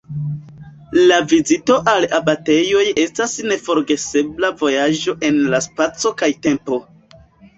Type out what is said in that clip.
La vizito al abatejoj estas neforgesebla vojaĝo en la spaco kaj tempo.